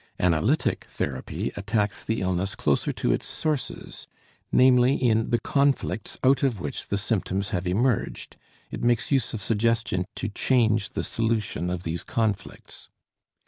Analytic therapy attacks the illness closer to its sources, namely in the conflicts out of which the symptoms have emerged, it makes use of suggestion to change the solution of these conflicts.